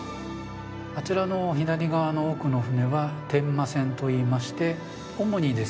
あちらの左側の奥の船は伝馬船といいまして主にですね